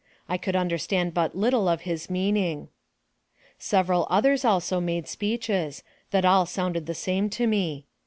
I could understand but little of his meaning. Several others also made speeches, that all sounded the same to me.